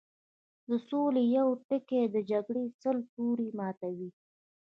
د سولې يو ټکی د جګړې سل تورې ماتوي